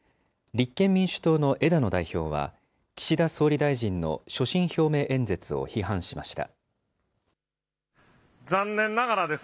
立憲民主党の枝野代表は、岸田総理大臣の所信表明演説を批判しました。